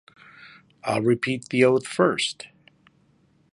I’ll repeat the oath first.